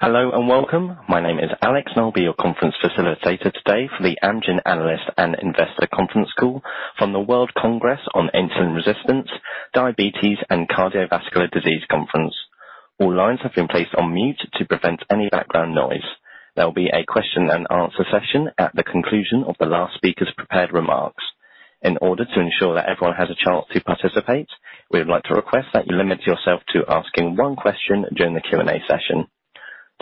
Hello and welcome. My name is Alex, and I'll be your conference facilitator today for the Amgen Analyst and Investor Conference Call from the World Congress on Insulin Resistance, Diabetes, and Cardiovascular Disease Conference. All lines have been placed on mute to prevent any background noise. There will be a question and answer session at the conclusion of the last speaker's prepared remarks. In order to ensure that everyone has a chance to participate, we would like to request that you limit yourself to asking one question during the Q&A session.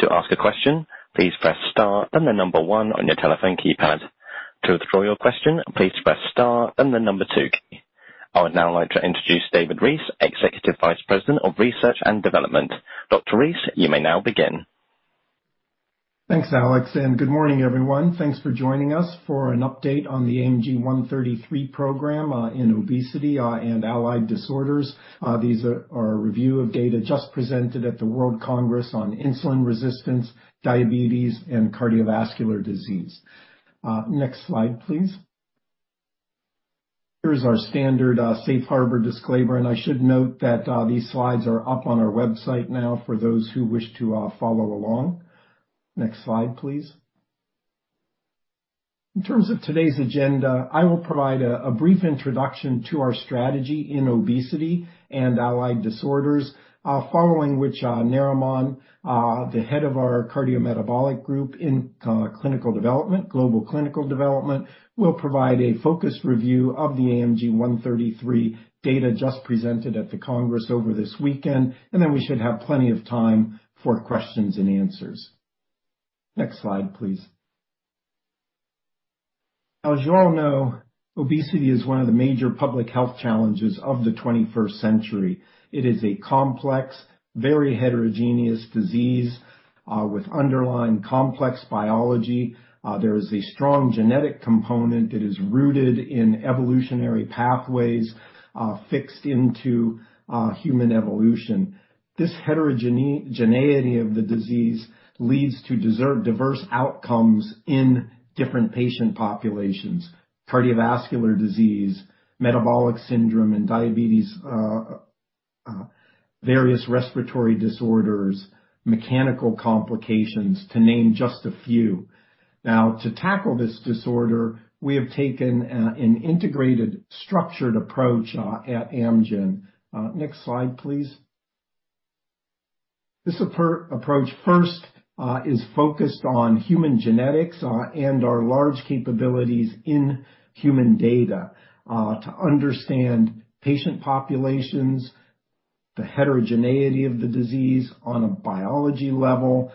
To ask a question, please press star and the number one on your telephone keypad. To withdraw your question, please press star and the number two key. I would now like to introduce David Reese, Executive Vice President of Research and Development. Dr. Rees, you may now begin. Thanks, Alex, and good morning, everyone. Thanks for joining us for an update on the AMG 133 program in obesity and allied disorders. These are our review of data just presented at the World Congress on Insulin Resistance, Diabetes, and Cardiovascular Disease. Next slide, please. Here's our standard safe harbor disclaimer, and I should note that these slides are up on our website now for those who wish to follow along. Next slide, please. In terms of today's agenda, I will provide a brief introduction to our strategy in obesity and allied disorders, following which Narimon, the head of our Cardiometabolic Group in clinical development, global clinical development, will provide a focused review of the AMG 133 data just presented at the congress over this weekend, and then we should have plenty of time for questions and answers. Next slide, please. As you all know, obesity is one of the major public health challenges of the 21st century. It is a complex, very heterogeneous disease, with underlying complex biology. There is a strong genetic component that is rooted in evolutionary pathways, fixed into human evolution. This heterogeneity of the disease leads to diverse outcomes in different patient populations, cardiovascular disease, metabolic syndrome and diabetes, various respiratory disorders, mechanical complications, to name just a few. To tackle this disorder, we have taken an integrated structured approach at Amgen. Next slide, please. This approach first is focused on human genetics and our large capabilities in human data to understand patient populations, the heterogeneity of the disease on a biology level,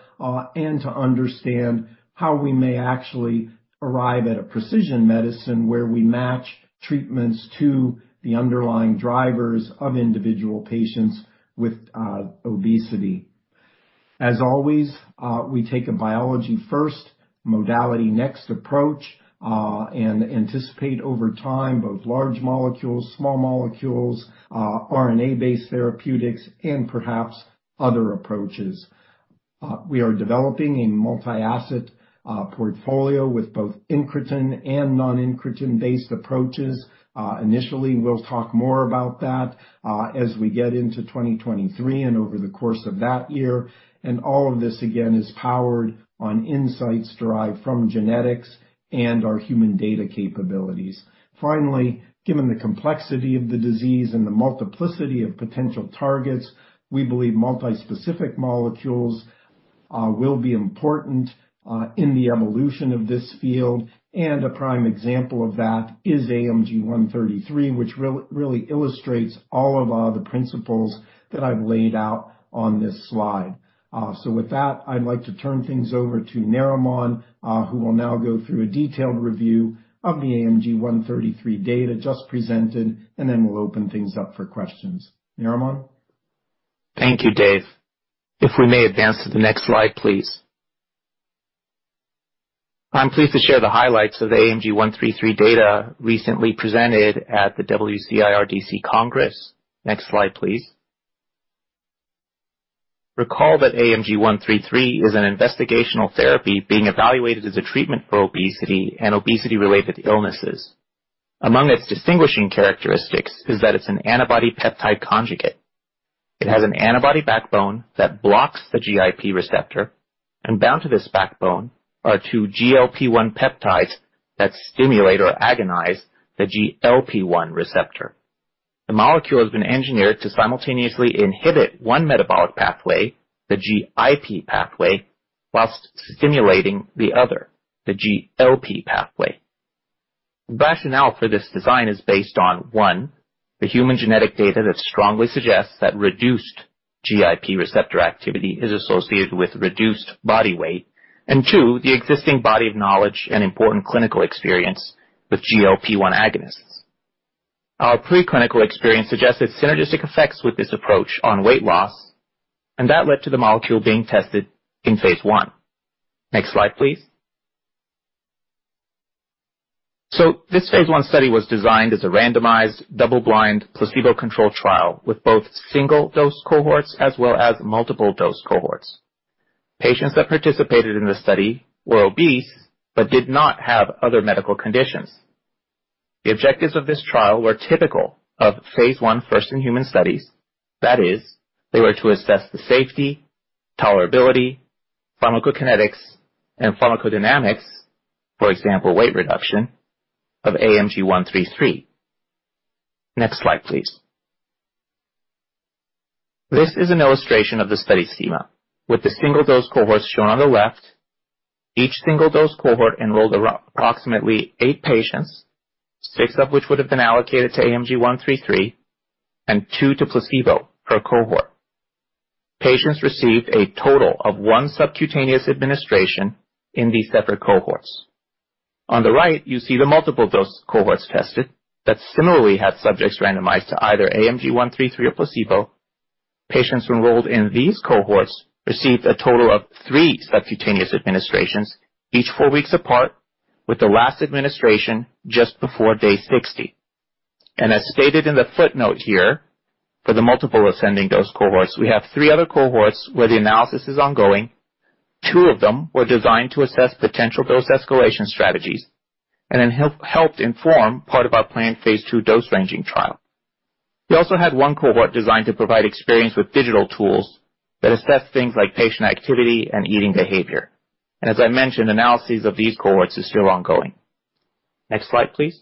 and to understand how we may actually arrive at a precision medicine where we match treatments to the underlying drivers of individual patients with obesity. As always, we take a biology first, modality next approach, and anticipate over time both large molecules, small molecules, RNA-based therapeutics, and perhaps other approaches. We are developing a multi-asset portfolio with both incretin and non-incretin based approaches. Initially, we'll talk more about that as we get into 2023 and over the course of that year. All of this, again, is powered on insights derived from genetics and our human data capabilities. Finally, given the complexity of the disease and the multiplicity of potential targets, we believe multi-specific molecules, will be important, in the evolution of this field. A prime example of that is AMG 133, which really illustrates all of the principles that I've laid out on this slide. With that, I'd like to turn things over to Narimon, who will now go through a detailed review of the AMG 133 data just presented, and then we'll open things up for questions. Narimon. Thank you, Dave. If we may advance to the next slide, please. I'm pleased to share the highlights of the AMG 133 data recently presented at the WCIRDC Congress. Next slide, please. Recall that AMG 133 is an investigational therapy being evaluated as a treatment for obesity and obesity-related illnesses. Among its distinguishing characteristics is that it's an antibody-peptide conjugate. It has an antibody backbone that blocks the GIP receptor, and bound to this backbone are two GLP-1 peptides that stimulate or agonize the GLP-1 receptor. The molecule has been engineered to simultaneously inhibit one metabolic pathway, the GIP pathway, whilst stimulating the other, the GLP pathway. The rationale for this design is based on, one, the human genetic data that strongly suggests that reduced GIP receptor activity is associated with reduced body weight. And two, the existing body of knowledge and important clinical experience with GLP-1 agonists. Our preclinical experience suggested synergistic effects with this approach on weight loss, that led to the molecule being tested in phase 1. Next slide, please. This phase 1 study was designed as a randomized, double-blind, placebo-controlled trial with both single-dose cohorts as well as multiple dose cohorts. Patients that participated in the study were obese but did not have other medical conditions. The objectives of this trial were typical of phase 1 first in human studies. That is, they were to assess the safety, tolerability, pharmacokinetics, and pharmacodynamics, for example, weight reduction of AMG 133. Next slide, please. This is an illustration of the study schema with the single dose cohorts shown on the left. Each single dose cohort enrolled approximately eight patients, six of which would have been allocated to AMG 133 and two to placebo per cohort. Patients received a total of one subcutaneous administration in these separate cohorts. On the right, you see the multiple dose cohorts tested that similarly had subjects randomized to either AMG 133 or placebo. Patients enrolled in these cohorts received a total of 3 subcutaneous administrations, each 4 weeks apart, with the last administration just before day 60. As stated in the footnote here, for the multiple ascending dose cohorts, we have 3 other cohorts where the analysis is ongoing. 2 of them were designed to assess potential dose escalation strategies and helped inform part of our planned phase 2 dose ranging trial. We also had 1 cohort designed to provide experience with digital tools that assess things like patient activity and eating behavior. As I mentioned, analyses of these cohorts is still ongoing. Next slide, please.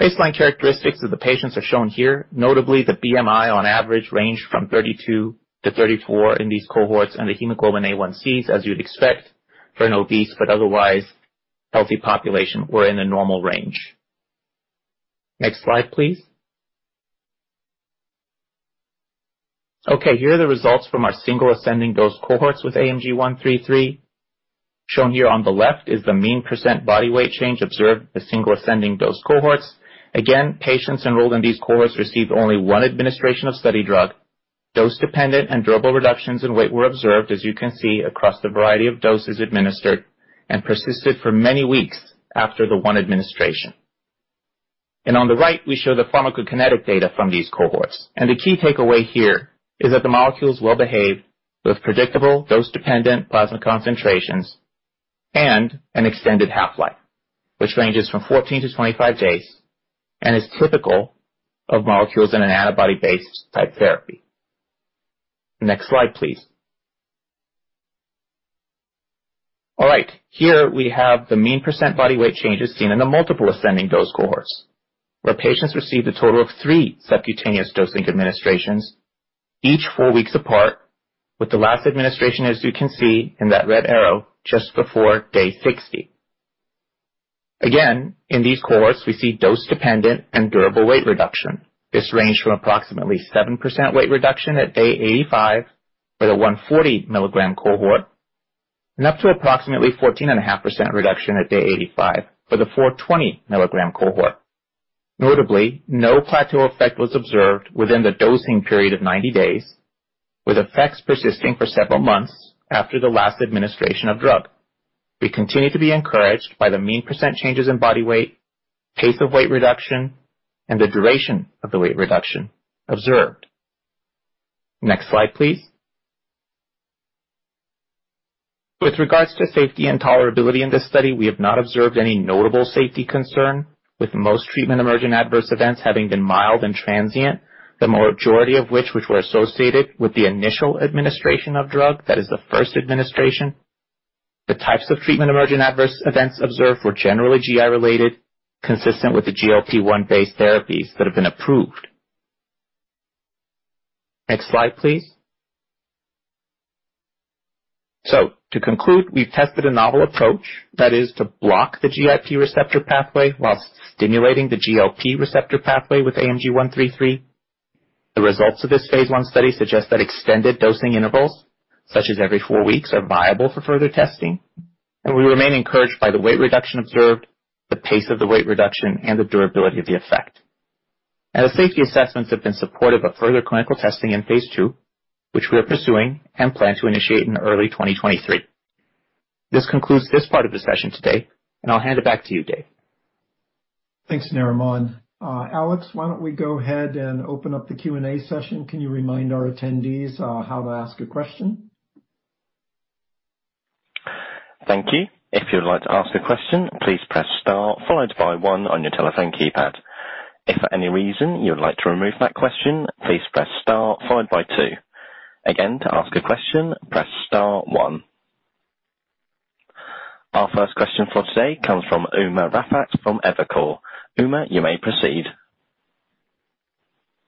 Baseline characteristics of the patients are shown here. Notably, the BMI on average ranged from 32-34 in these cohorts, and the Hemoglobin A1Cs, as you'd expect for an obese but otherwise healthy population, were in a normal range. Next slide, please. Okay, here are the results from our single ascending dose cohorts with AMG 133. Shown here on the left is the mean percent body weight change observed the single ascending dose cohorts. Again, patients enrolled in these cohorts received only one administration of study drug. Dose dependent and durable reductions in weight were observed, as you can see, across the variety of doses administered and persisted for many weeks after the one administration. On the right, we show the pharmacokinetic data from these cohorts. The key takeaway here is that the molecules well behave with predictable dose dependent plasma concentrations and an extended half-life, which ranges from 14 to 25 days and is typical of molecules in an antibody-based type therapy. Next slide, please. All right, here we have the mean % body weight changes seen in the multiple ascending dose cohorts, where patients received a total of 3 subcutaneous dosing administrations each 4 weeks apart, with the last administration, as you can see in that red arrow, just before day 60. Again, in these cohorts, we see dose dependent and durable weight reduction. This ranged from approximately 7% weight reduction at day 85 for the 140 milligram cohort and up to approximately 14.5% reduction at day 85 for the 420 milligram cohort. Notably, no plateau effect was observed within the dosing period of 90 days, with effects persisting for several months after the last administration of drug. We continue to be encouraged by the mean percent changes in body weight, pace of weight reduction, and the duration of the weight reduction observed. Next slide, please. With regards to safety and tolerability in this study, we have not observed any notable safety concern, with most treatment emerging adverse events having been mild and transient, the majority of which were associated with the initial administration of drug. That is the first administration. The types of treatment emerging adverse events observed were generally GI related, consistent with the GLP-1 based therapies that have been approved. Next slide, please. To conclude, we've tested a novel approach that is to block the GIP receptor pathway while stimulating the GLP receptor pathway with AMG 133.The results of this phase 1 study suggest that extended dosing intervals, such as every 4 weeks, are viable for further testing. We remain encouraged by the weight reduction observed, the pace of the weight reduction, and the durability of the effect. The safety assessments have been supportive of further clinical testing in phase 2, which we are pursuing and plan to initiate in early 2023. This concludes this part of the session today, and I'll hand it back to you, Dave. Thanks, Narimon. Alex, why don't we go ahead and open up the Q&A session. Can you remind our attendees, how to ask a question? Thank you. If you'd like to ask a question, please press star followed by 1 on your telephone keypad. If for any reason you would like to remove that question, please press star followed by 2. Again, to ask a question, press star 1. Our first question for today comes from Umer Raffat from Evercore. Umer, you may proceed.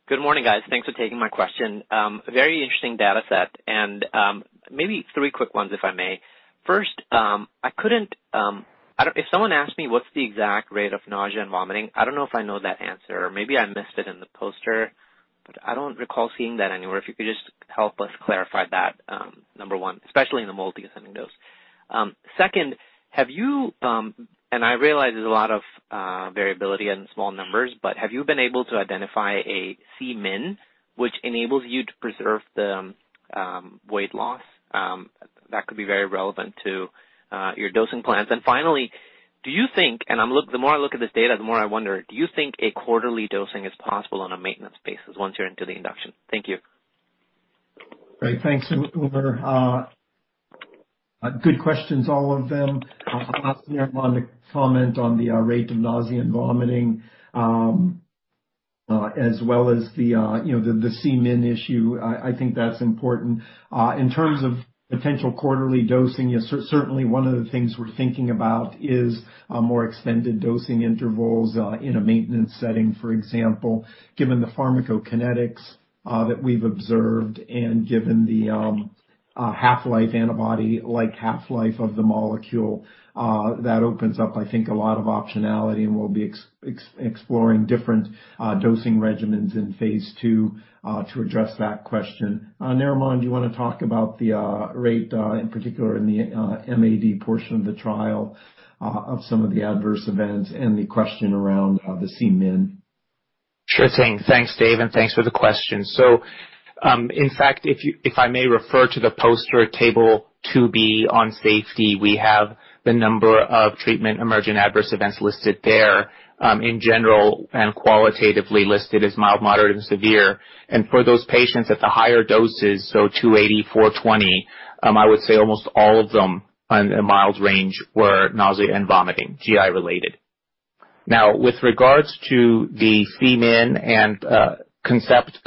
Good morning, guys. Thanks for taking my question. Very interesting data set and maybe three quick ones if I may. First, If someone asked me what's the exact rate of nausea and vomiting, I don't know if I know that answer or maybe I missed it in the poster, but I don't recall seeing that anywhere. If you could just help us clarify that, number one, especially in the multi ascending dose. Second, have you, and I realize there's a lot of variability in small numbers, but have you been able to identify a Cmin which enables you to preserve the weight loss? That could be very relevant to your dosing plans. Finally, do you think, the more I look at this data, the more I wonder, do you think a quarterly dosing is possible on a maintenance basis once you're into the induction? Thank you. Great. Thanks, Umar. Good questions, all of them. I'll ask Narimon to comment on the rate of nausea and vomiting, as well as the, you know, the Cmin issue. I think that's important. In terms of potential quarterly dosing, yes, certainly one of the things we're thinking about is more extended dosing intervals in a maintenance setting, for example. Given the pharmacokinetics that we've observed and given the half-life antibody, like, half-life of the molecule, that opens up, I think, a lot of optionality, and we'll be exploring different dosing regimens in phase two to address that question. Narimon, do you wanna talk about the rate in particular in the MAD portion of the trial of some of the adverse events and the question around the Cmin? Sure thing. Thanks, Dave, thanks for the question. In fact, if I may refer to the poster table 2B on safety, we have the number of treatment emergent adverse events listed there, in general and qualitatively listed as mild, moderate, and severe. For those patients at the higher doses, 280, 420, I would say almost all of them in a mild range were nausea and vomiting, GI related. Now, with regards to the Cmin and concept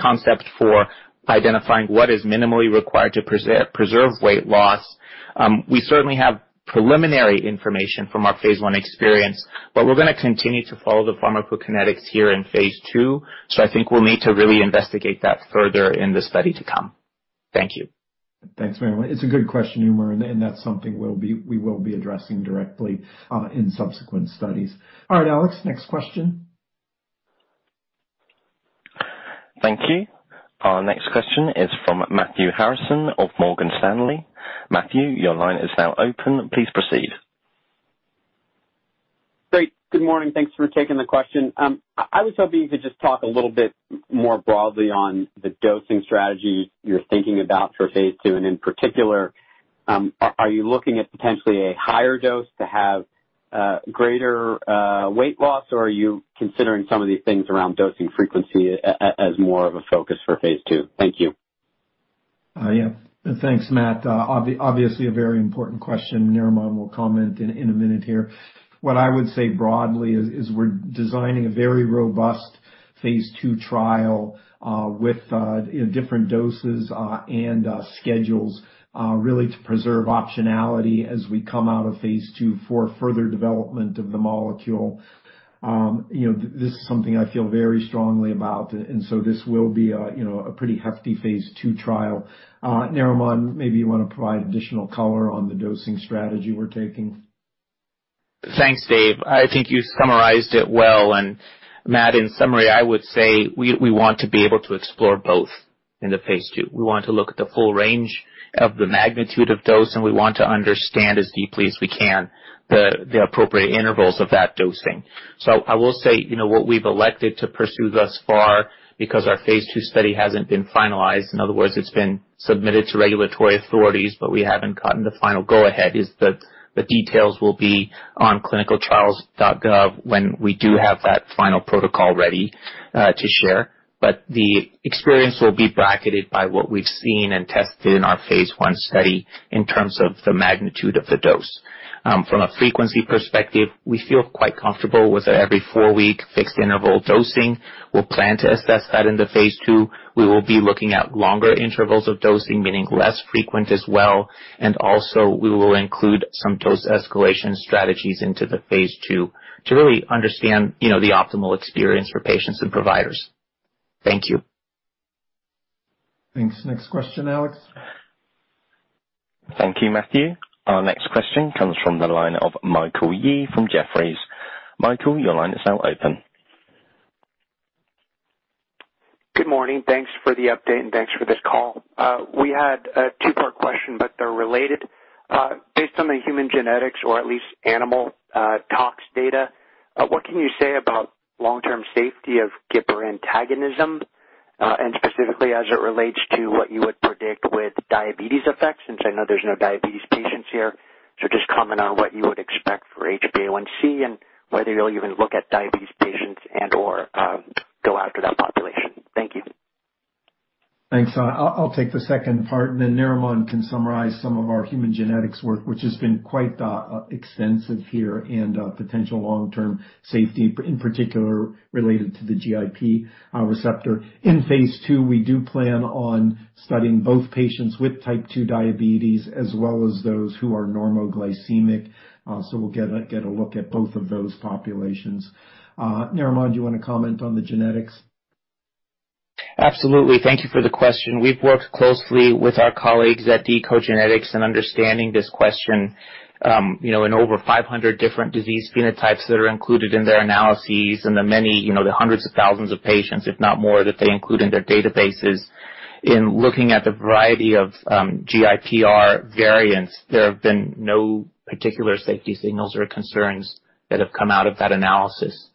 for identifying what is minimally required to preserve weight loss, we certainly have preliminary information from our phase 1 experience, we're gonna continue to follow the pharmacokinetics here in phase 2, I think we'll need to really investigate that further in the study to come. Thank you. Thanks, Narimon. It's a good question, Umar, and that's something we will be addressing directly in subsequent studies. All right, Alex, next question. Thank you. Our next question is from Matthew Harrison of Morgan Stanley. Matthew, your line is now open. Please proceed. Great. Good morning. Thanks for taking the question. I was hoping you could just talk a little bit more broadly on the dosing strategy you're thinking about for phase two. In particular, are you looking at potentially a higher dose to have greater weight loss, or are you considering some of these things around dosing frequency as more of a focus for phase two? Thank you. Yeah. Thanks, Matt. Obviously, a very important question. Narimon will comment in a minute here. What I would say broadly is we're designing a very robust phase 2 trial, with, you know, different doses, and schedules, really to preserve optionality as we come out of phase 2 for further development of the molecule. You know, this is something I feel very strongly about. This will be a, you know, a pretty hefty phase 2 trial. Narimon, maybe you wanna provide additional color on the dosing strategy we're taking. Thanks, Dave. I think you summarized it well. Matt, in summary, I would say we want to be able to explore both in the phase II. We want to look at the full range of the magnitude of dose, we want to understand as deeply as we can the appropriate intervals of that dosing. I will say, you know, what we've elected to pursue thus far because our phase II study hasn't been finalized. In other words, it's been submitted to regulatory authorities, but we haven't gotten the final go-ahead, is the details will be on ClinicalTrials.gov when we do have that final protocol ready to share. The experience will be bracketed by what we've seen and tested in our phase I study in terms of the magnitude of the dose. From a frequency perspective, we feel quite comfortable with every four week fixed interval dosing. We'll plan to assess that in the phase 2. We will be looking at longer intervals of dosing, meaning less frequent as well, and also we will include some dose escalation strategies into the phase 2 to really understand, you know, the optimal experience for patients and providers. Thank you. Thanks. Next question, Alex. Thank you, Matthew. Our next question comes from the line of Michael Yee from Jefferies. Michael, your line is now open. Good morning. Thanks for the update, and thanks for this call. We had a two-part question, but they're related. Based on the human genetics or at least animal, tox data, what can you say about long-term safety of GIP antagonism, and specifically as it relates to what you would predict with diabetes effects, since I know there's no diabetes patients here. Just comment on what you would expect for HbA1c and whether you'll even look at diabetes patients and/or go after that population. Thank you. Thanks. I'll take the second part, Narimon can summarize some of our human genetics work, which has been quite extensive here and potential long-term safety, in particular related to the GIP receptor. In phase 2, we do plan on studying both patients with type 2 diabetes as well as those who are normoglycemic. We'll get a look at both of those populations. Narimon, do you wanna comment on the genetics? Absolutely. Thank you for the question. We've worked closely with our colleagues at deCODE genetics in understanding this question. you know, in over 500 different disease phenotypes that are included in their analyses and the many, you know, the hundreds of thousands of patients, if not more, that they include in their databases. In looking at the variety of GIPR variants, there have been no particular safety signals or concerns that have come out of that analysis.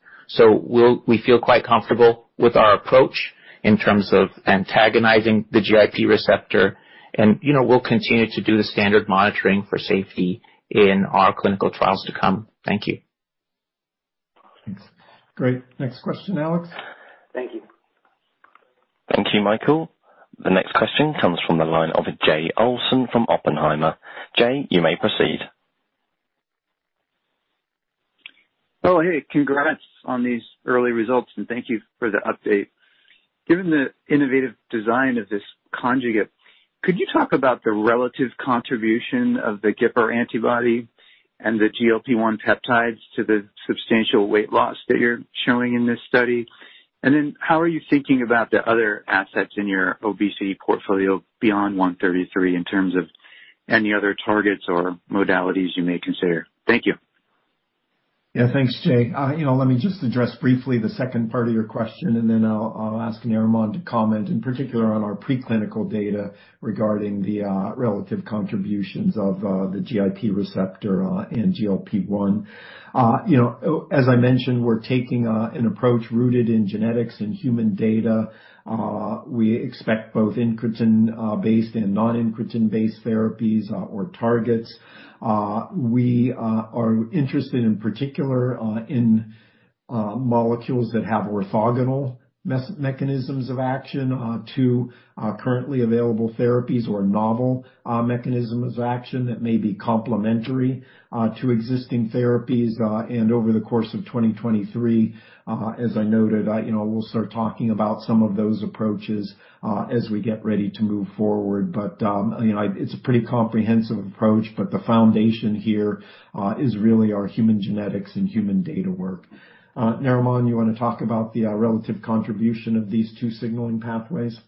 We feel quite comfortable with our approach in terms of antagonizing the GIP receptor, and, you know, we'll continue to do the standard monitoring for safety in our clinical trials to come. Thank you. Thanks. Great. Next question, Alex. Thank you. Thank you, Michael. The next question comes from the line of Jay Olson from Oppenheimer. Jay, you may proceed. Oh, hey, congrats on these early results. Thank you for the update. Given the innovative design of this conjugate, could you talk about the relative contribution of the GIP or antibody and the GLP-1 peptides to the substantial weight loss that you're showing in this study? How are you thinking about the other assets in your obesity portfolio beyond 133 in terms of any other targets or modalities you may consider? Thank you. Yeah, thanks, Jay. You know, let me just address briefly the second part of your question, and then I'll ask Narimon to comment, in particular on our preclinical data regarding the relative contributions of the GIP receptor and GLP-1. You know, as I mentioned, we're taking an approach rooted in genetics and human data. We expect both incretin based and non-incretin based therapies or targets. We are interested in particular in molecules that have orthogonal mechanisms of action to currently available therapies or novel mechanisms of action that may be complementary to existing therapies. Over the course of 2023, as I noted, you know, we'll start talking about some of those approaches as we get ready to move forward. You know, it's a pretty comprehensive approach, but the foundation here, is really our human genetics and human data work. Narimon, you wanna talk about the relative contribution of these two signaling pathways?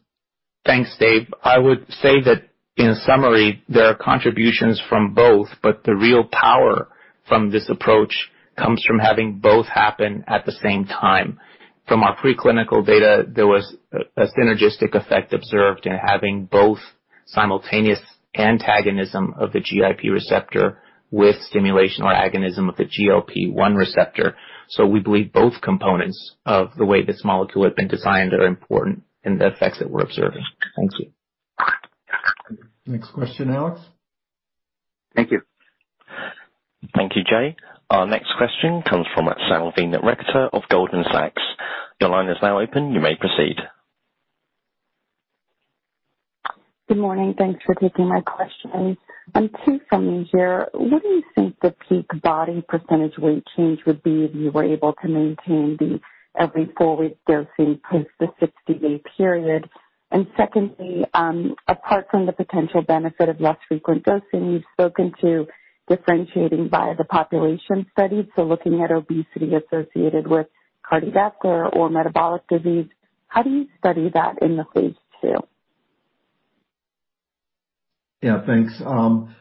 Thanks, Dave. I would say that in summary, there are contributions from both, but the real power from this approach comes from having both happen at the same time. From our preclinical data, there was a synergistic effect observed in having both simultaneous antagonism of the GIP receptor with stimulation or agonism of the GLP-1 receptor. We believe both components of the way this molecule had been designed are important in the effects that we're observing. Thank you. Next question, Alex. Thank you. Thank you, Jay. Our next question comes from Salveen Richter of Goldman Sachs. Your line is now open. You may proceed. Good morning. Thanks for taking my questions. 2 for me here. What do you think the peak body percentage weight change would be if you were able to maintain the every 4-week dosing post the 60-day period? Secondly, apart from the potential benefit of less frequent dosing, you've spoken to differentiating by the population study, so looking at obesity associated with cardiac or metabolic disease, how do you study that in the phase 2? Yeah, thanks.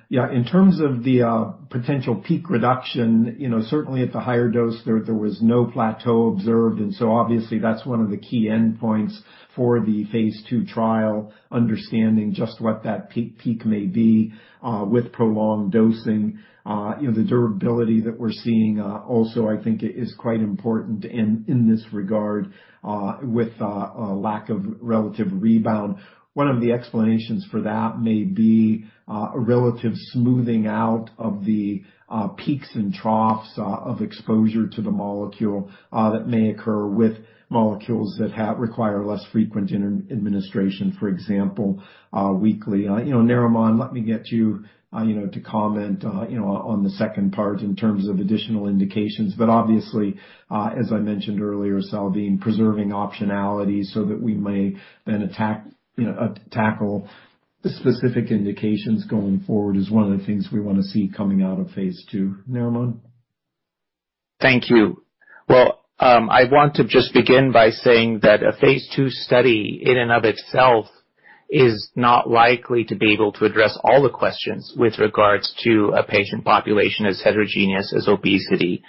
Yeah, in terms of the potential peak reduction, you know, certainly at the higher dose there was no plateau observed. Obviously that's one of the key endpoints for the phase 2 trial, understanding just what that peak may be with prolonged dosing. You know, the durability that we're seeing also I think is quite important in this regard with a lack of relative rebound. One of the explanations for that may be a relative smoothing out of the peaks and troughs of exposure to the molecule that may occur with molecules that have require less frequent administration, for example, weekly. You know, Narimon, let me get you know, to comment, you know, on the second part in terms of additional indications. Obviously, as I mentioned earlier, Salveen, preserving optionality so that we may then attack, you know, tackle the specific indications going forward is one of the things we wanna see coming out of phase 2. Narimon. Thank you. Well, I want to just begin by saying that a phase 2 study in and of itself is not likely to be able to address all the questions with regards to a patient population as heterogeneous as obesity.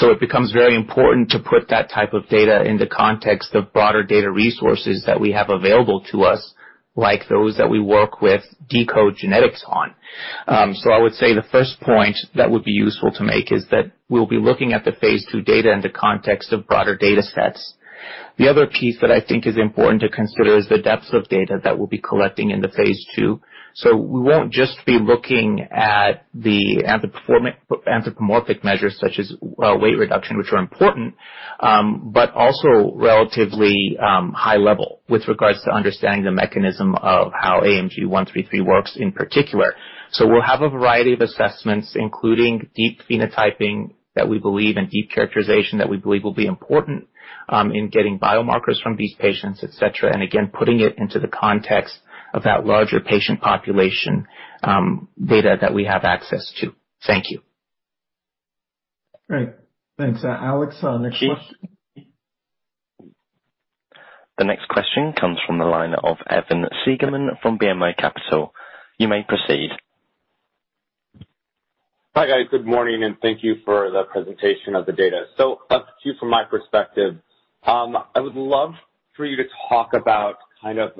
It becomes very important to put that type of data in the context of broader data resources that we have available to us, like those that we work with decode genetics on. I would say the first point that would be useful to make is that we'll be looking at the phase 2 data in the context of broader datasets. The other piece that I think is important to consider is the depth of data that we'll be collecting in the phase 2. We won't just be looking at the anthropomorphic measures such as weight reduction, which are important, but also relatively high level with regards to understanding the mechanism of how AMG 133 works in particular. We'll have a variety of assessments, including deep phenotyping that we believe, and deep characterization that we believe will be important in getting biomarkers from these patients, et cetera. Again, putting it into the context of that larger patient population, data that we have access to. Thank you. Great. Thanks. Alex, next question. The next question comes from the line of Evan Seigerman from BMO Capital Markets. You may proceed. Hi, guys. Good morning, and thank you for the presentation of the data. A few from my perspective. I would love for you to talk about kind of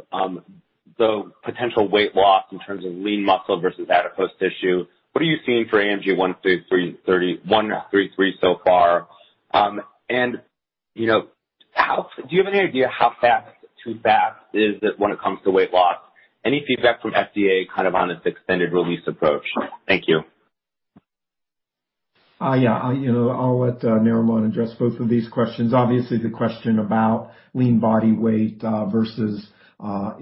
the potential weight loss in terms of lean muscle versus adipose tissue. What are you seeing for AMG 133 so far? You know. Do you have any idea how fast too fast is it when it comes to weight loss? Any feedback from FDA kind of on this extended release approach? Thank you. Yeah. I, you know, I'll let Narimon address both of these questions. Obviously, the question about lean body weight versus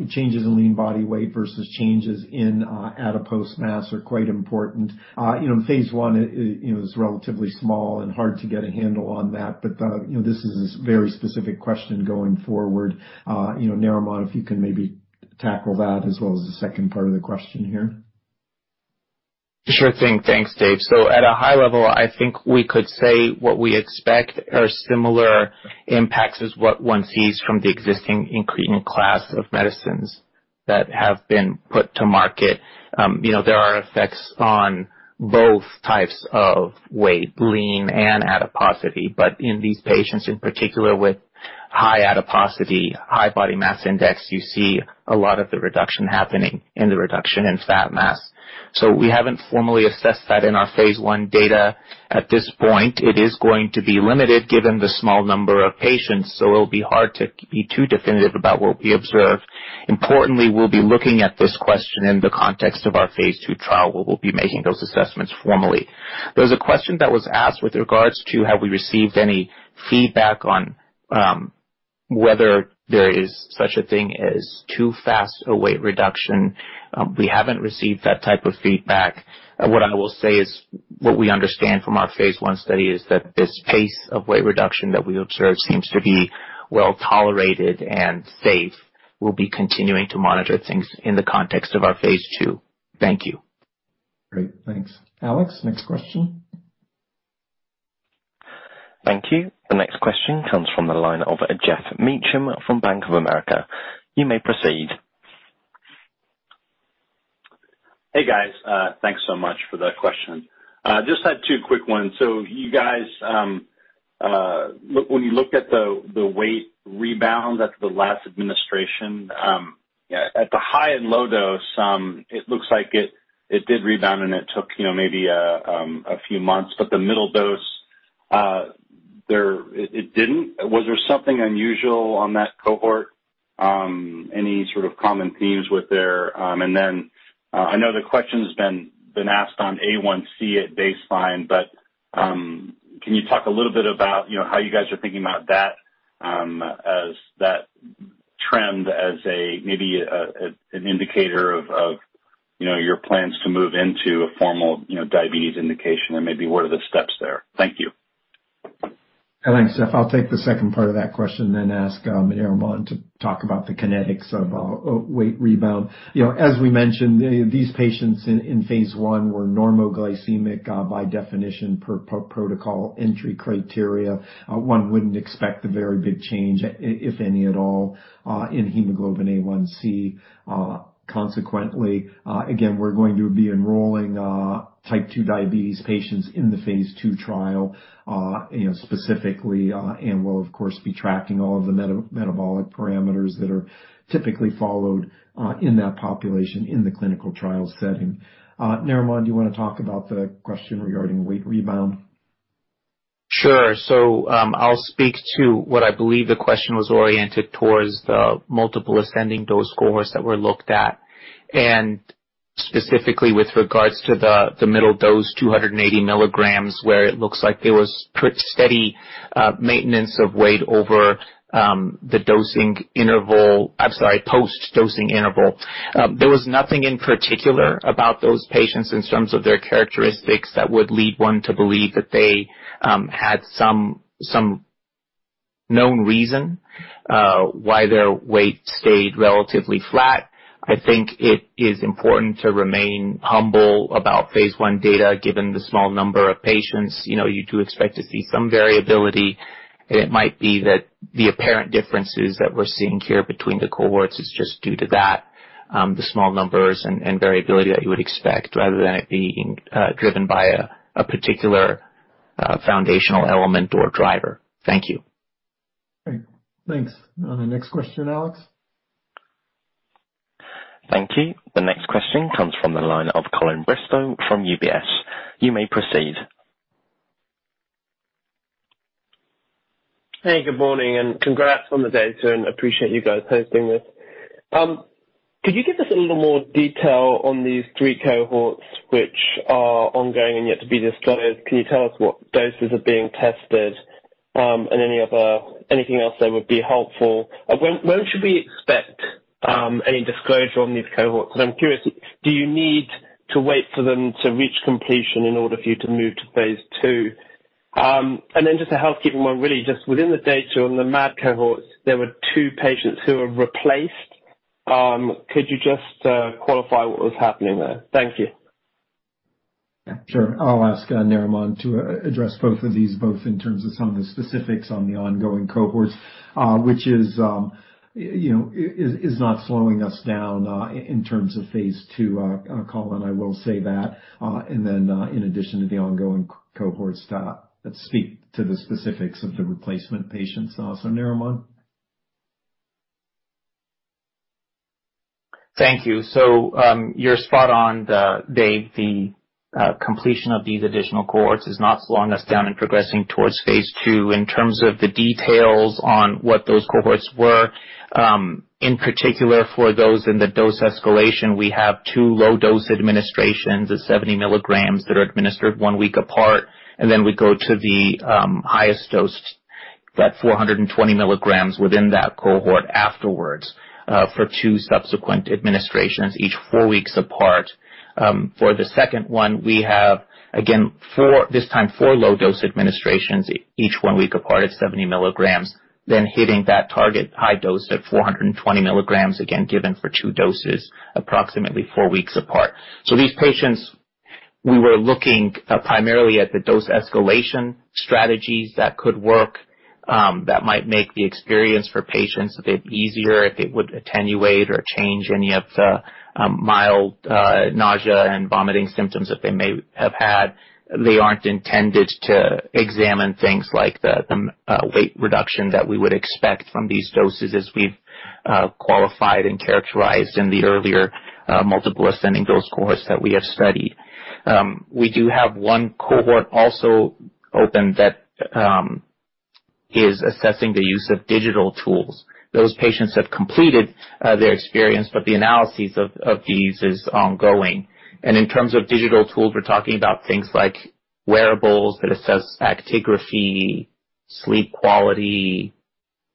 changes in lean body weight versus changes in adipose mass are quite important. You know, phase 1, it, you know, is relatively small and hard to get a handle on that. You know, this is a very specific question going forward. You know, Narimon, if you can maybe tackle that as well as the second part of the question here. Sure thing. Thanks, Dave. At a high level, I think we could say what we expect are similar impacts as what one sees from the existing incretin class of medicines that have been put to market. You know, there are effects on both types of weight, lean and adiposity. In these patients in particular with high adiposity, high body mass index, you see a lot of the reduction happening in the reduction in fat mass. We haven't formally assessed that in our phase 1 data at this point. It is going to be limited given the small number of patients, so it'll be hard to be too definitive about what we observe. Importantly, we'll be looking at this question in the context of our phase 2 trial where we'll be making those assessments formally. There was a question that was asked with regards to have we received any feedback on whether there is such a thing as too fast a weight reduction. We haven't received that type of feedback. What I will say is, what we understand from our phase 1 study is that this pace of weight reduction that we observe seems to be well-tolerated and safe. We'll be continuing to monitor things in the context of our phase 2. Thank you. Great. Thanks. Alex, next question. Thank you. The next question comes from the line of Geoff Meacham from Bank of America. You may proceed. Hey, guys. Thanks so much for the question. Just had two quick ones. You guys, when you look at the weight rebound after the last administration, yeah, at the high and low dose, it looks like it did rebound and it took, you know, maybe a few months, the middle dose there, it didn't. Was there something unusual on that cohort? Any sort of common themes with there? I know the question's been asked on A1c at baseline, can you talk a little bit about, you know, how you guys are thinking about that, as that trend as a, maybe, an indicator of, you know, your plans to move into a formal, you know, diabetes indication and maybe what are the steps there? Thank you. Thanks, Jeff. I'll take the second part of that question then ask, Narimon to talk about the kinetics of weight rebound. You know, as we mentioned, these patients in phase 1 were normoglycemic, by definition, per protocol entry criteria. One wouldn't expect a very big change, if any at all, in Hemoglobin A1c. Consequently, again, we're going to be enrolling type 2 diabetes patients in the phase 2 trial, you know, specifically, and we'll of course be tracking all of the metabolic parameters that are typically followed in that population in the clinical trial setting. Narimon, do you wanna talk about the question regarding weight rebound? Sure. I'll speak to what I believe the question was oriented towards the multiple ascending dose cohorts that were looked at. Specifically with regards to the middle dose, 280 milligrams, where it looks like there was steady maintenance of weight over the dosing interval. I'm sorry, post-dosing interval. There was nothing in particular about those patients in terms of their characteristics that would lead one to believe that they had some known reason why their weight stayed relatively flat. I think it is important to remain humble about phase 1 data, given the small number of patients. You know, you do expect to see some variability. It might be that the apparent differences that we're seeing here between the cohorts is just due to that, the small numbers and variability that you would expect, rather than it being driven by a particular, foundational element or driver. Thank you. Great. Thanks. Next question, Alex. Thank you. The next question comes from the line of Colin Bristow from UBS. You may proceed. Hey, good morning, congrats on the data and appreciate you guys hosting this. Could you give us a little more detail on these three cohorts which are ongoing and yet to be disclosed? Can you tell us what doses are being tested, and anything else that would be helpful? When should we expect any disclosure on these cohorts? 'Cause I'm curious, do you need to wait for them to reach completion in order for you to move to phase 2? Just a housekeeping one, really just within the data on the MAD cohorts, there were two patients who were replaced. Could you just qualify what was happening there? Thank you. Yeah, sure. I'll ask Narimon to address both of these, both in terms of some of the specifics on the ongoing cohorts, which is, you know, is not slowing us down, in terms of phase 2, Colin, I will say that. In addition to the ongoing cohorts, that speak to the specifics of the replacement patients. Narimon. Thank you. You're spot on the completion of these additional cohorts is not slowing us down and progressing towards phase 2. In terms of the details on what those cohorts were, in particular, for those in the dose escalation, we have 2 low dose administrations at 70 milligrams that are administered 1 week apart, and then we go to the highest dose at 420 milligrams within that cohort afterwards, for 2 subsequent administrations, each 4 weeks apart. For the second one, we have, again, this time, 4 low dose administrations, each 1 week apart at 70 milligrams, then hitting that target high dose at 420 milligrams, again, given for 2 doses approximately 4 weeks apart. These patients, we were looking primarily at the dose escalation strategies that could work, that might make the experience for patients a bit easier if it would attenuate or change any of the mild nausea and vomiting symptoms that they may have had. They aren't intended to examine things like the weight reduction that we would expect from these doses as we've qualified and characterized in the earlier multiple ascending dose cohorts that we have studied. We do have one cohort also open that is assessing the use of digital tools. Those patients have completed their experience, but the analysis of these is ongoing. In terms of digital tools, we're talking about things like wearables that assess actigraphy, sleep quality,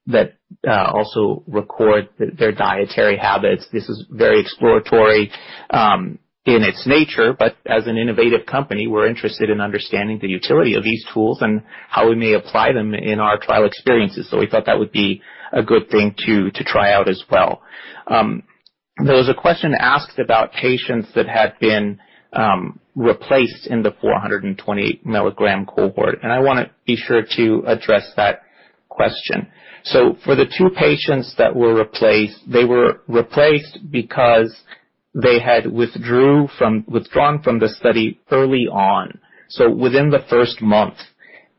that also record their dietary habits. This is very exploratory in its nature. As an innovative company, we're interested in understanding the utility of these tools and how we may apply them in our trial experiences. We thought that would be a good thing to try out as well. There was a question asked about patients that had been replaced in the 420 milligram cohort, and I wanna be sure to address that question. For the two patients that were replaced, they were replaced because they had withdrawn from the study early on, so within the first month.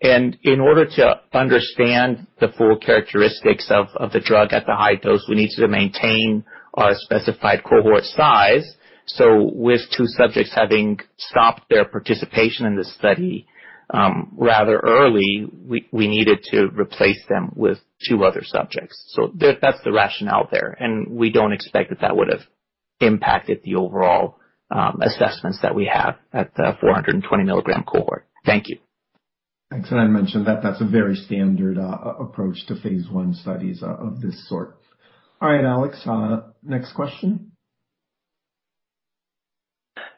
In order to understand the full characteristics of the drug at the high dose, we need to maintain our specified cohort size. With two subjects having stopped their participation in the study, rather early, we needed to replace them with two other subjects. That's the rationale there, and we don't expect that that would have impacted the overall assessments that we have at the 420 milligram cohort. Thank you. Thanks. I mentioned that that's a very standard approach to phase I studies of this sort. All right, Alex, next question.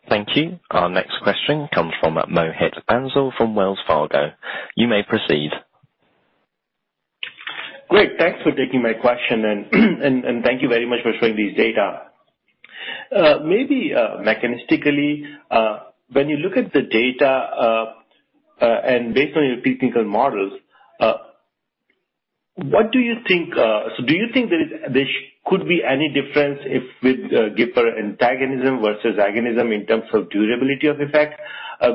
Thank you. Our next question comes from Mohit Bansal from Wells Fargo. You may proceed. Great. Thanks for taking my question and thank you very much for sharing this data. Maybe, mechanistically, when you look at the data, and based on your preclinical models, what do you think... Do you think there could be any difference if with GIPR antagonism versus agonism in terms of durability of effect?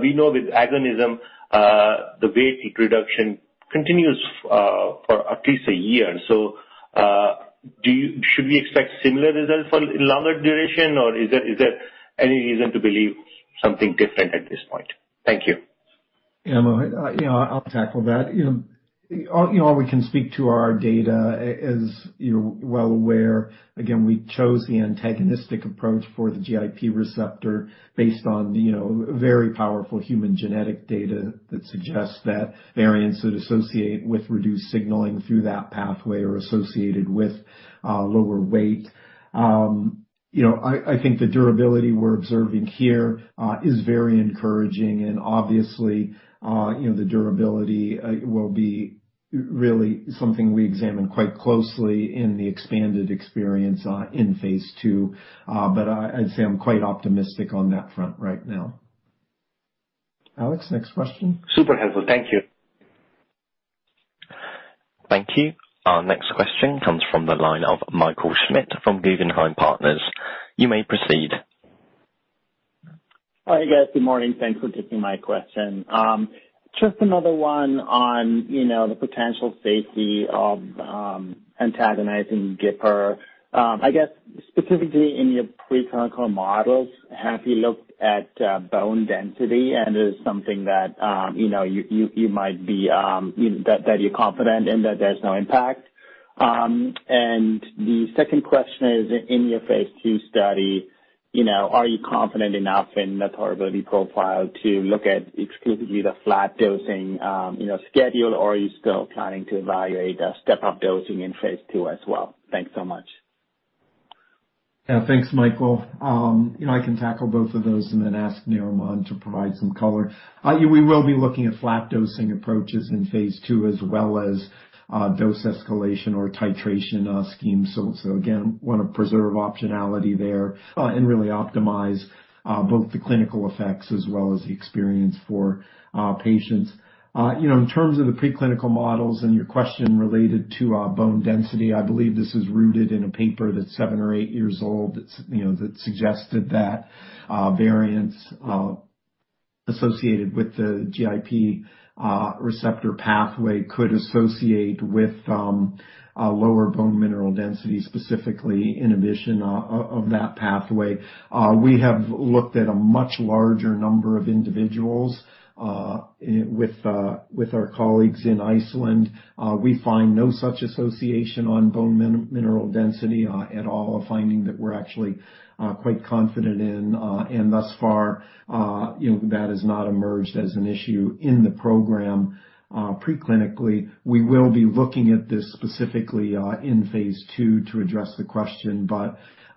We know with agonism, the weight reduction continues for at least a year. Should we expect similar results for longer duration, or is there, is there any reason to believe something different at this point? Thank you. Yeah. Mohit, you know, I'll tackle that. You know, all we can speak to our data, as you're well aware, again, we chose the antagonistic approach for the GIP receptor based on, you know, very powerful human genetic data that suggests that variants that associate with reduced signaling through that pathway are associated with lower weight. You know, I think the durability we're observing here is very encouraging. Obviously, you know, the durability will be really something we examine quite closely in the expanded experience in phase two. I'd say I'm quite optimistic on that front right now. Alex, next question. Super helpful. Thank you. Thank you. Our next question comes from the line of Michael Schmidt from Guggenheim Partners. You may proceed. Hi, guys. Good morning. Thanks for taking my question. Just another one on, you know, the potential safety of antagonizing GIPR. I guess, specifically in your preclinical models, have you looked at bone density? Is it something that, you know, you might be, you know, that you're confident in that there's no impact? The second question is, in your phase two study, you know, are you confident enough in the tolerability profile to look at exclusively the flat dosing, you know, schedule, or are you still planning to evaluate the step-up dosing in phase two as well? Thanks so much. Yeah. Thanks, Michael. you know, I can tackle both of those and then ask Niranjan to provide some color. Yeah, we will be looking at flat dosing approaches in phase 2, as well as dose escalation or titration scheme. Again, wanna preserve optionality there and really optimize both the clinical effects as well as the experience for patients. you know, in terms of the preclinical models and your question related to bone density, I believe this is rooted in a paper that's 7 or 8 years old that's, you know, that suggested that variants associated with the GIP receptor pathway could associate with a lower bone mineral density, specifically inhibition of that pathway. We have looked at a much larger number of individuals with our colleagues in Iceland. We find no such association on bone mineral density at all, a finding that we're actually quite confident in. Thus far, you know, that has not emerged as an issue in the program preclinically. We will be looking at this specifically in phase two to address the question,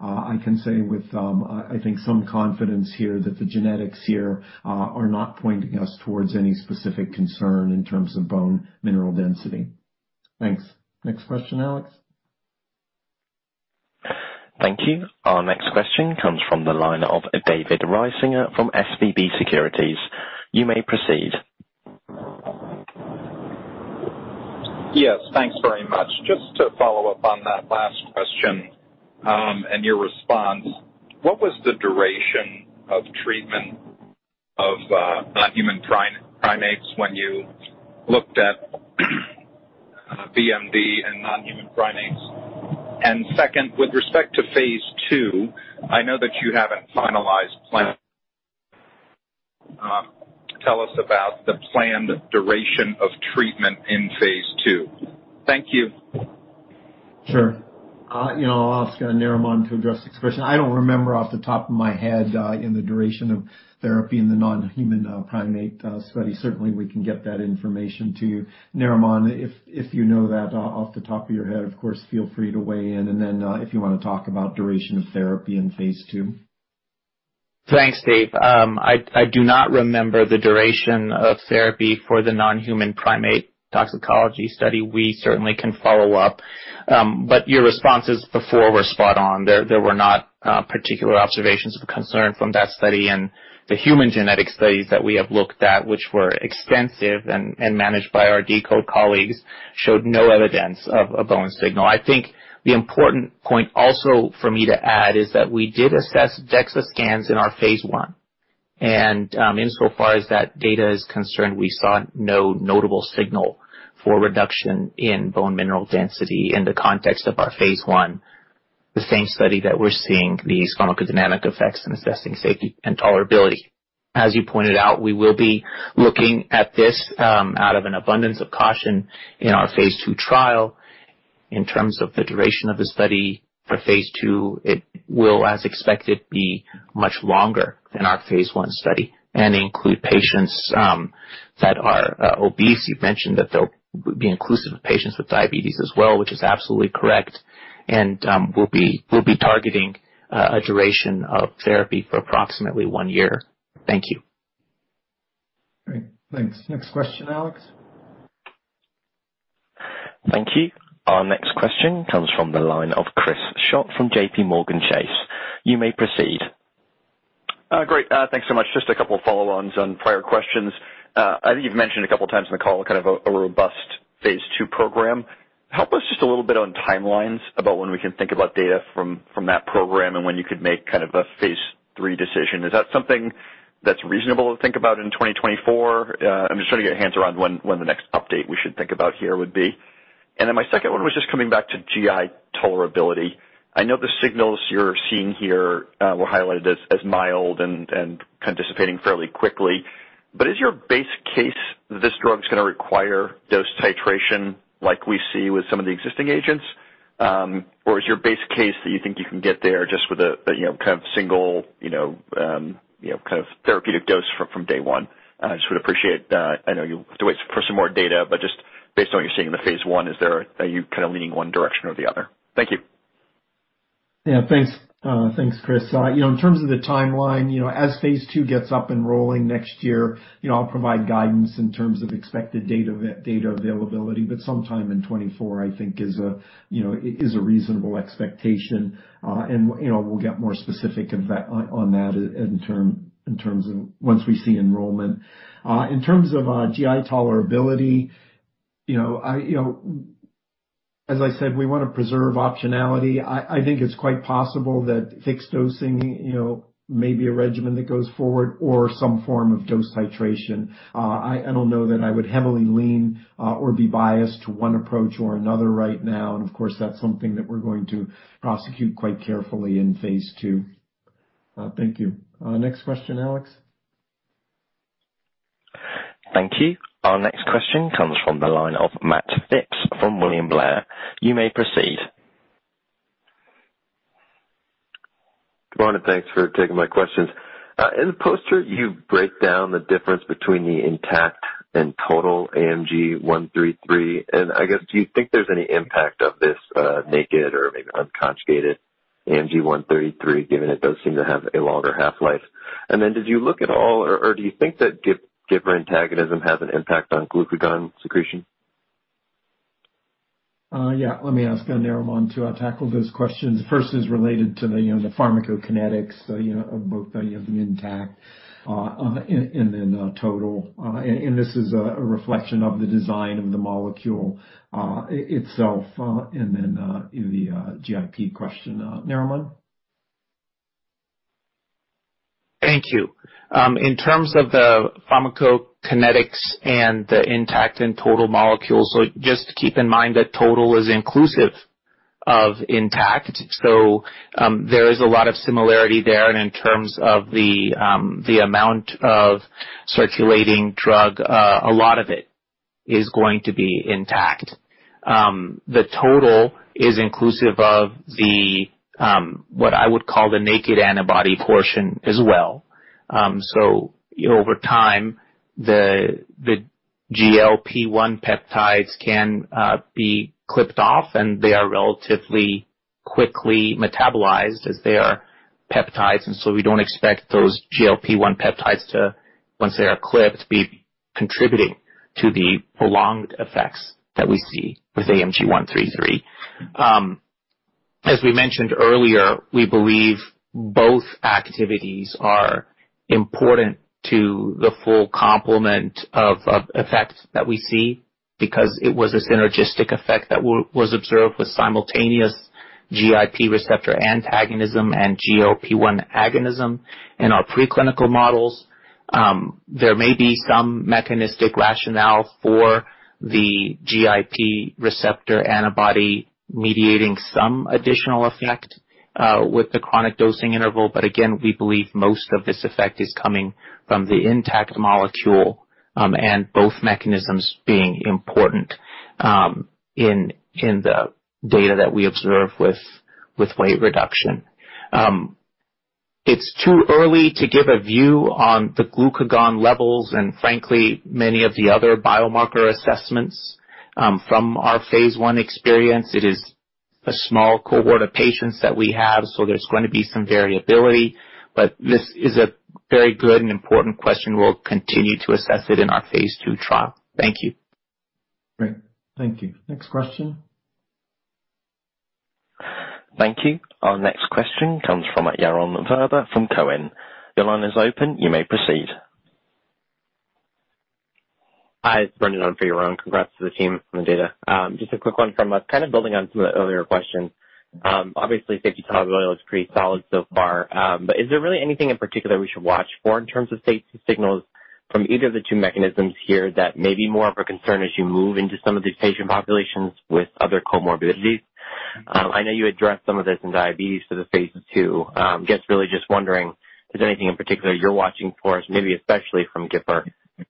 I can say with I think some confidence here that the genetics here are not pointing us towards any specific concern in terms of bone mineral density. Thanks. Next question, Alex. Thank you. Our next question comes from the line of David Risinger from SVB Securities. You may proceed. Yes, thanks very much. Just to follow up on that last question, and your response, what was the duration of treatment of non-human primates when you looked at BMD in non-human primates? Second, with respect to phase 2, I know that you haven't finalized planning. Tell us about the planned duration of treatment in phase 2. Thank you. Sure. you know, I'll ask Narimon to address this question. I don't remember off the top of my head, in the duration of therapy in the non-human, primate, study. Certainly, we can get that information to you. Narimon, if you know that off the top of your head, of course feel free to weigh in, if you wanna talk about duration of therapy in phase II. Thanks, Dave. I do not remember the duration of therapy for the non-human primate toxicology study. We certainly can follow up. Your responses before were spot on. There were not particular observations of concern from that study. The human genetic studies that we have looked at, which were extensive and managed by our Decode colleagues, showed no evidence of a bone signal. I think the important point also for me to add is that we did assess DEXA scans in our phase 1. Insofar as that data is concerned, we saw no notable signal for reduction in bone mineral density in the context of our phase 1, the same study that we're seeing these pharmacodynamic effects in assessing safety and tolerability. As you pointed out, we will be looking at this, out of an abundance of caution in our phase 2 trial. In terms of the duration of the study for phase 2, it will, as expected, be much longer than our phase 1 study and include patients that are obese. You've mentioned that they'll be inclusive of patients with diabetes as well, which is absolutely correct. We'll be targeting a duration of therapy for approximately one year. Thank you. Great. Thanks. Next question, Alex. Thank you. Our next question comes from the line of Chris Schott from JPMorgan Chase. You may proceed. Great. Thanks so much. Just a couple follow-ons on prior questions. I think you've mentioned a couple times in the call kind of a robust phase 2 program. Help us just a little bit on timelines about when we can think about data from that program and when you could make kind of a phase 3 decision. Is that something that's reasonable to think about in 2024? I'm just trying to get hands around when the next update we should think about here would be. My second one was just coming back to GI tolerability. I know the signals you're seeing here were highlighted as mild and kind of dissipating fairly quickly. Is your base case this drug's gonna require dose titration like we see with some of the existing agents? Is your base case that you think you can get there just with a, you know, kind of single, you know, kind of therapeutic dose from day 1? I just would appreciate, I know you'll have to wait for some more data, but just based on what you're seeing in the phase 1, are you kind of leaning one direction or the other? Thank you. Yeah, thanks. Thanks, Chris. You know, in terms of the timeline, you know, as phase 2 gets up and rolling next year, you know, I'll provide guidance in terms of expected data availability, but sometime in 2024, I think is a, you know, is a reasonable expectation. You know, we'll get more specific in that, on that in terms of once we see enrollment. In terms of GI tolerability, you know, I, you know, as I said, we wanna preserve optionality. I think it's quite possible that fixed dosing, you know, may be a regimen that goes forward or some form of dose titration. I don't know that I would heavily lean or be biased to one approach or another right now, and of course, that's something that we're going to prosecute quite carefully in phase two. Thank you. Next question, Alex. Thank you. Our next question comes from the line of Matt Phipps from William Blair. You may proceed. Good morning, thanks for taking my questions. In the poster, you break down the difference between the intact and total AMG 133, I guess, do you think there's any impact of this naked or maybe unconjugated AMG 133, given it does seem to have a longer half-life? Did you look at all or do you think that GIP antagonism has an impact on glucagon secretion? Yeah. Let me ask Narimon to tackle those questions. First is related to the, you know, the pharmacokinetics, you know, of both the, you know, the intact, and then, total. This is a reflection of the design of the molecule, itself, and then, in the GIP question. Narimon? Thank you. In terms of the pharmacokinetics and the intact and total molecules, just keep in mind that total is inclusive of intact. There is a lot of similarity there. In terms of the amount of circulating drug, a lot of it is going to be intact. The total is inclusive of the what I would call the naked antibody portion as well. Over time, the GLP-1 peptides can be clipped off, and they are relatively quickly metabolized as they are peptides. We don't expect those GLP-1 peptides to, once they are clipped, be contributing to the prolonged effects that we see with AMG-133. As we mentioned earlier, we believe both activities are important to the full complement of effects that we see because it was a synergistic effect that was observed with simultaneous GIP receptor antagonism and GLP-1 agonism in our preclinical models. There may be some mechanistic rationale for the GIP receptor antibody mediating some additional effect with the chronic dosing interval. Again, we believe most of this effect is coming from the intact molecule, and both mechanisms being important in the data that we observe with weight reduction. It's too early to give a view on the glucagon levels and frankly many of the other biomarker assessments from our phase 1 experience. It is a small cohort of patients that we have, so there's going to be some variability. This is a very good and important question. We'll continue to assess it in our phase two trial. Thank you. Great. Thank you. Next question. Thank you. Our next question comes from Yaron Werber from Cowen. Your line is open. You may proceed. Hi, it's Brendan on for Yaron. Congrats to the team on the data. Just a quick one from us, kind of building on some of the earlier questions. Obviously safety tolerability looks pretty solid so far, but is there really anything in particular we should watch for in terms of safety signals from either of the 2 mechanisms here that may be more of a concern as you move into some of these patient populations with other comorbidities? I know you addressed some of this in diabetes for the phase 2. Guess really just wondering, is there anything in particular you're watching for, maybe especially from GIPR,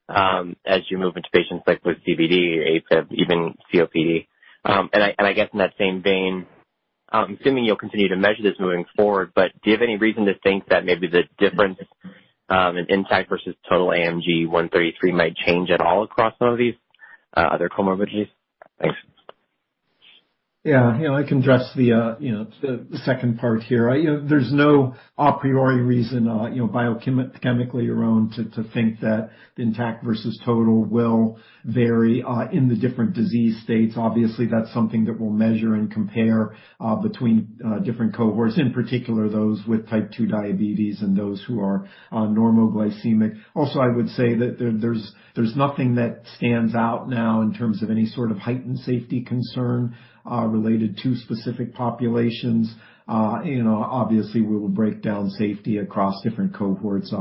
as you move into patients like with CVD, AFib, even COPD? I, and I guess in that same vein, assuming you'll continue to measure this moving forward, but do you have any reason to think that maybe the difference, in intact versus total AMG-133 might change at all across some of these, other comorbidities? Thanks. Yeah, you know, I can address the, you know, the second part here. You know, there's no a priori reason, you know, biochem-chemically around to think that intact versus total will vary in the different disease states. Obviously, that's something that we'll measure and compare between different cohorts, in particular, those with type 2 diabetes and those who are normoglycemic. Also, I would say that there's nothing that stands out now in terms of any sort of heightened safety concern related to specific populations. You know, obviously, we will break down safety across different cohorts,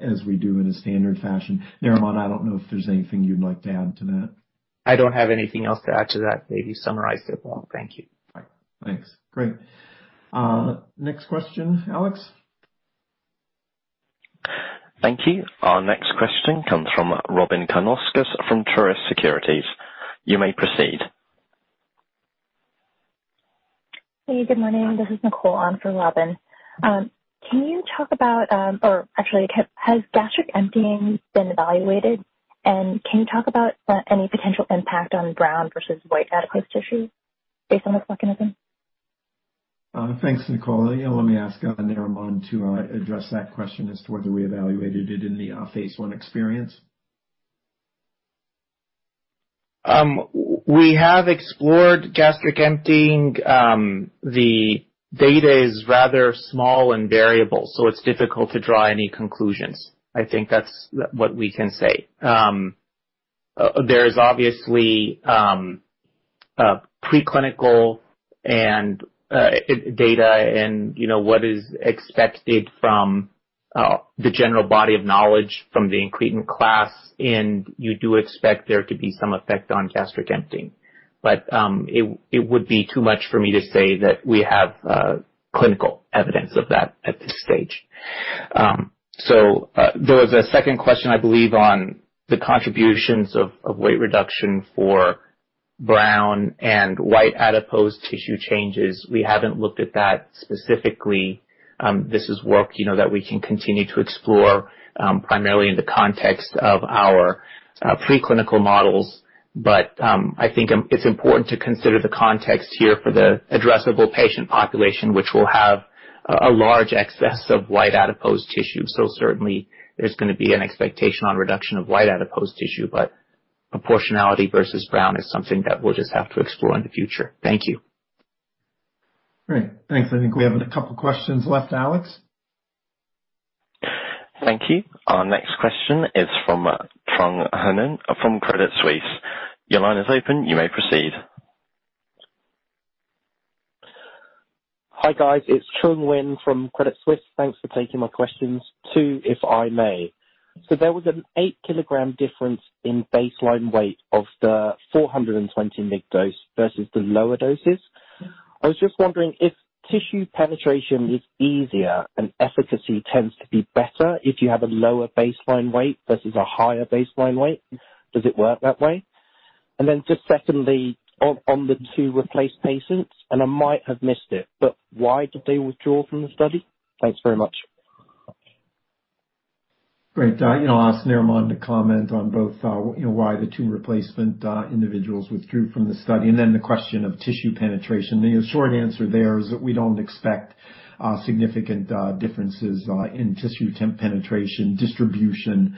as we do in a standard fashion. Narimon, I don't know if there's anything you'd like to add to that. I don't have anything else to add to that. You summarized it well. Thank you. All right. Thanks. Great. Next question, Alex. Thank you. Our next question comes from Robyn Karnauskas from Truist Securities. You may proceed. Hey, good morning. This is Nicole on for Robyn. Actually, has gastric emptying been evaluated, and can you talk about any potential impact on brown versus white adipose tissue based on this mechanism? Thanks, Nicole. Yeah, let me ask, Narimon to address that question as to whether we evaluated it in the phase I experience. We have explored gastric emptying. The data is rather small and variable, so it's difficult to draw any conclusions. I think that's what we can say. There is obviously preclinical and data and, you know, what is expected from the general body of knowledge from the incretin class, and you do expect there to be some effect on gastric emptying. It would be too much for me to say that we have clinical evidence of that at this stage. There was a second question, I believe, on the contributions of weight reduction for brown and white adipose tissue changes. We haven't looked at that specifically. This is work, you know, that we can continue to explore, primarily in the context of our preclinical models. I think it's important to consider the context here for the addressable patient population, which will have a large excess of white adipose tissue. Certainly there's gonna be an expectation on reduction of white adipose tissue, but proportionality versus brown is something that we'll just have to explore in the future. Thank you. Great. Thanks. I think we have a couple questions left, Alex. Thank you. Our next question is from Trung Nguyen from Credit Suisse. Your line is open. You may proceed. Hi, guys. It's Trung Nguyen from Credit Suisse. Thanks for taking my questions. Two, if I may. There was an eight-kilogram difference in baseline weight of the 420 mg dose versus the lower doses. I was just wondering if tissue penetration is easier and efficacy tends to be better if you have a lower baseline weight versus a higher baseline weight. Does it work that way? And then just secondly, on the two replaced patients, and I might have missed it, but why did they withdraw from the study? Thanks very much. Great. you know, I'll ask Narimon to comment on both, you know, why the two replacement individuals withdrew from the study and then the question of tissue penetration. The short answer there is that we don't expect significant differences in tissue penetration distribution,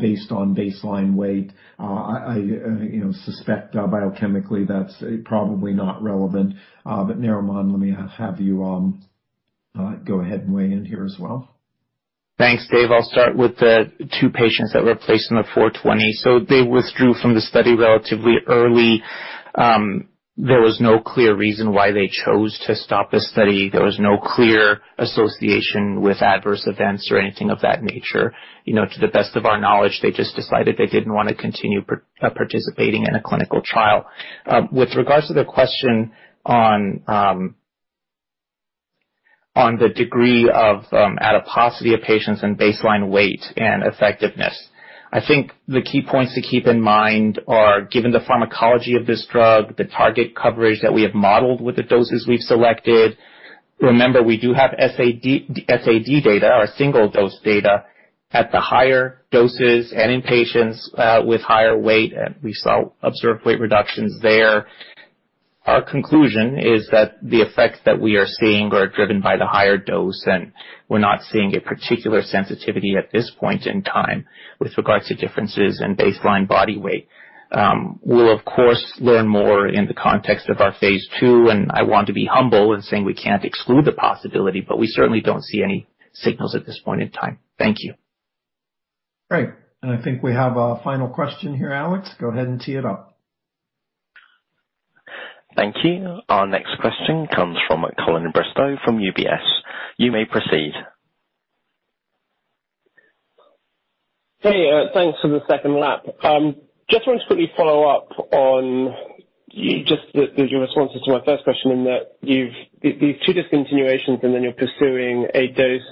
based on baseline weight. I, you know, suspect biochemically that's probably not relevant. Narimon, let me have you go ahead and weigh in here as well. Thanks, Dave. I'll start with the two patients that were placed in the 420. They withdrew from the study relatively early. There was no clear reason why they chose to stop the study. There was no clear association with adverse events or anything of that nature. You know, to the best of our knowledge, they just decided they didn't wanna continue participating in a clinical trial. With regards to the question on the degree of adiposity of patients and baseline weight and effectiveness, I think the key points to keep in mind are, given the pharmacology of this drug, the target coverage that we have modeled with the doses we've selected. Remember, we do have SAD data, or single-dose data, at the higher doses and in patients with higher weight, and we saw observed weight reductions there. Our conclusion is that the effects that we are seeing are driven by the higher dose, and we're not seeing a particular sensitivity at this point in time with regards to differences in baseline body weight. We'll of course, learn more in the context of our phase 2, and I want to be humble in saying we can't exclude the possibility, but we certainly don't see any signals at this point in time. Thank you. Great. I think we have our final question here, Alex. Go ahead and tee it up. Thank you. Our next question comes from Colin Bristow from UBS. You may proceed. Hey, thanks for the second lap. Just want to quickly follow up on just the responses to my first question in that you've... These two discontinuations, then you're pursuing a dose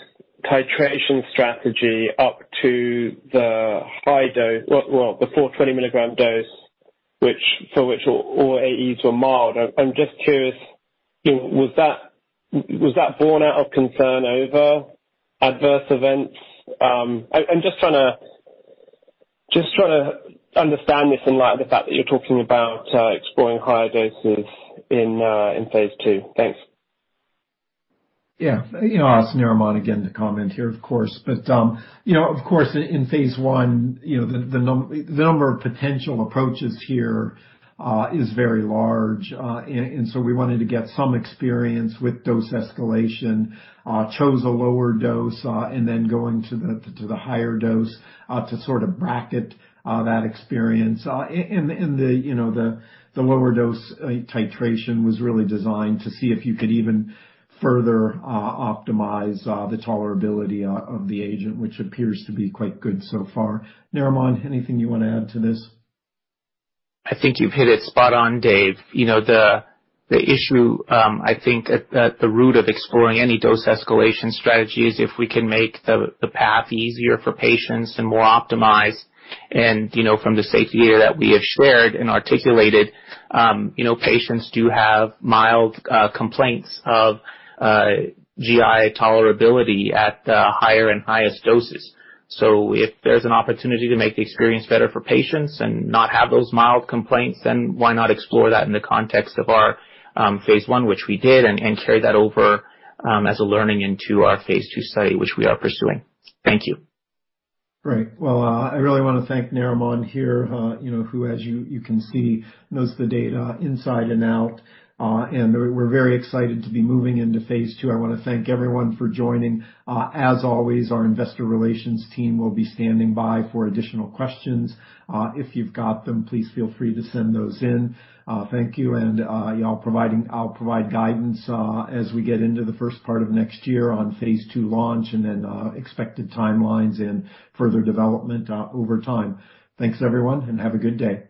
titration strategy up to the high dose, well, the 420 milligram dose, which, for which all AEs were mild. I'm just curious, you know, was that born out of concern over adverse events? I'm just trying to understand this in light of the fact that you're talking about exploring higher doses in phase two. Thanks. Yeah. You know, I'll ask Narimon again to comment here, of course. You know, of course, in phase I, you know, the number of potential approaches here is very large. We wanted to get some experience with dose escalation. Chose a lower dose, and then going to the higher dose, to sort of bracket that experience. The, you know, the lower dose titration was really designed to see if you could even further optimize the tolerability of the agent, which appears to be quite good so far. Narimon, anything you wanna add to this? I think you've hit it spot on, Dave. You know, the issue, I think at the root of exploring any dose escalation strategy is if we can make the path easier for patients and more optimized. You know, from the safety year that we have shared and articulated, you know, patients do have mild complaints of GI tolerability at the higher and highest doses. If there's an opportunity to make the experience better for patients and not have those mild complaints, then why not explore that in the context of our phase one, which we did, and carry that over as a learning into our phase two study, which we are pursuing. Thank you. Great. Well, I really wanna thank Narimon here, you know, who, as you can see, knows the data inside and out. We're very excited to be moving into phase 2. I wanna thank everyone for joining. As always, our investor relations team will be standing by for additional questions. If you've got them, please feel free to send those in. Thank you. I'll provide guidance as we get into the first part of next year on phase 2 launch and then expected timelines and further development over time. Thanks, everyone, have a good day.